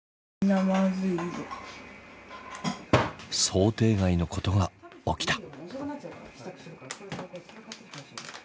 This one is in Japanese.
想定外のことが起きた。